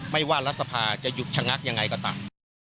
ไม่ว่ารัฐสภาจะหยุดชะงักยังไงก็ตาม